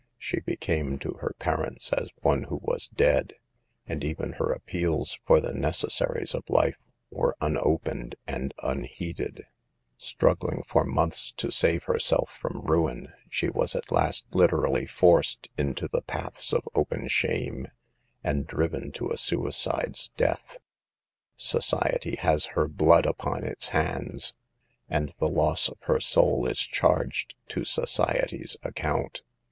She became to her parents as one who was dead ; and even her appeals for the necessaries of life were unopened and unheeded. 30 SAVE THE GIRLS. Struggling for months to save herself from ruin, she was at last literally forced into the paths of open shame and driven to a suicide's death. Society has her blood upon its hands, and the loss of her soul is charged to society's account.